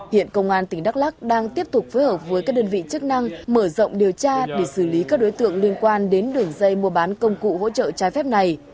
hiện công an tỉnh đắk lắc đang tiếp tục phối hợp với các đơn vị chức năng mở rộng điều tra để xử lý các đối tượng liên quan đến đường dây mua bán công cụ hỗ trợ trái phép này